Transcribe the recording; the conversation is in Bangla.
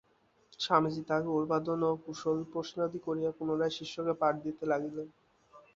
স্বামীজী তাঁহাকে অভিবাদন ও কুশলপ্রশ্নাদি করিয়া পুনরায় শিষ্যকে পাঠ দিতে লাগিলেন।